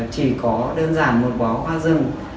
chỉ có đơn giản một bó hoa rừng